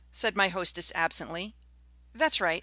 said my hostess absently. "That's right.